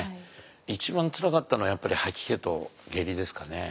一番つらかったのはやっぱり吐き気と下痢ですかね。